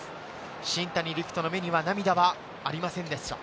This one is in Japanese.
新谷陸斗の目には涙はありませんでした。